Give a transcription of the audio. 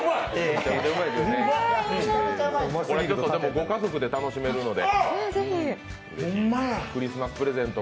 ご家族で楽しめるので。